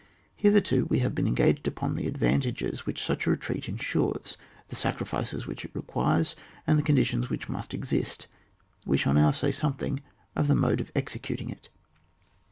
Hitherto, we have been engaged upon the advantages which such a retreat ensures, the sacrifices which it requires, and the conditions which must exist; we shall now say something of the mode of executing it.